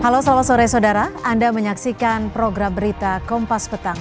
halo selamat sore saudara anda menyaksikan program berita kompas petang